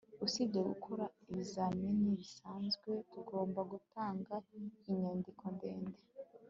usibye gukora ibizamini bisanzwe, tugomba gutanga inyandiko ndende